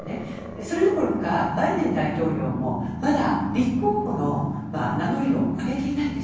それどころかバイデン大統領もまだ立候補の名乗りを上げていないんです。